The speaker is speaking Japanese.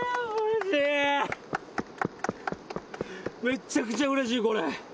めっちゃくちゃうれしいこれ。